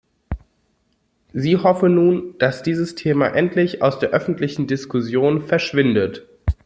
Sie hoffe nun, „dass dieses Thema endlich aus der öffentlichen Diskussion verschwindet“.